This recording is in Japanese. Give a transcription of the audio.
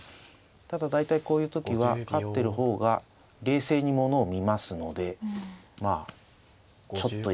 ただ大体こういう時は勝ってる方が冷静に物を見ますのでまあちょっといいぐらいですかね。